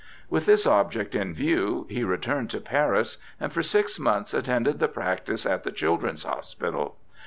With this object in view he returned to Paris, and for six months attended the practice at the Children's Hos pital.